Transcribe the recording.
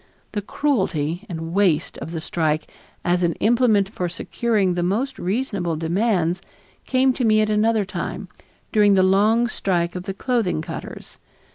The cruelty and waste of the strike as an implement for securing the most reasonable demands came to me at another time, during the long strike of the clothing cutters.